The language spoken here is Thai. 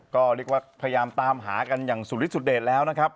ก็เรียกว่าพยายามตามหากันอย่างสุริสุเดชแล้วนะครับ